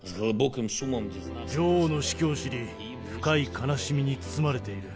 女王の死去を知り、深い悲しみに包まれている。